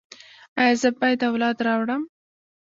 ایا زه باید اولاد راوړم؟